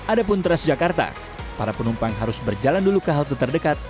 adapun transjakarta para penumpang harus berjalan dulu ke halte terdekat